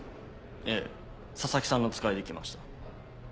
ええ佐々木さんの使いで来ました。